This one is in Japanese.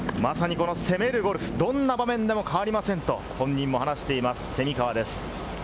攻めるゴルフ、どんな場面でも変わりませんと本人も話しています、蝉川です。